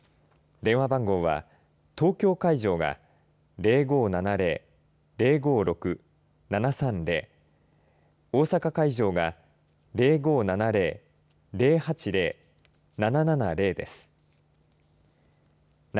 電話番号は東京会場が０５７０‐０５６‐７３０大阪会場が０５７０‐０８０‐７７０です。